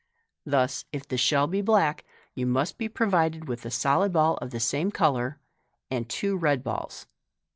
Thus, if the shell be black, you must be provided with a solid ball of the same colour, and two red balls.